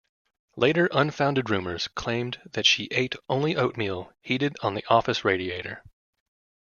Later unfounded rumors claimed that she ate only oatmeal, heated on the office radiator.